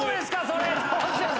それ。